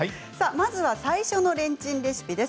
まずは最初のレンチンレシピです。